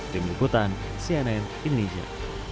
tim liputan cnn indonesia